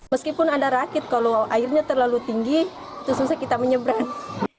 meskipun ada rakit kalau airnya terlalu tinggi itu susah kita menyebrang